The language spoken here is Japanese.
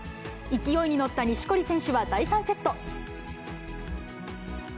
勢いに乗った錦織選手は第３セット。